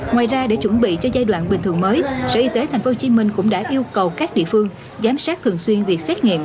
ngoài ra để chuẩn bị cho giai đoạn bình thường mới sở y tế tp hcm cũng đã yêu cầu các địa phương giám sát thường xuyên việc xét nghiệm